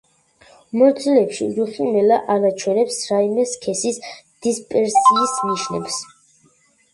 მოზრდილებში რუხი მელა არ აჩვენებს რაიმე სქესის დისპერსიის ნიშნებს.